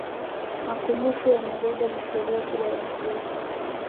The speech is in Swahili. makumusho yamebeba historia kubwa ya nchi yetu